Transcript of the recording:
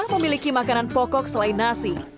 memiliki makanan pokok selain nasi